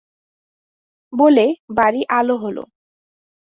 বলে, বাড়ি আলো হল!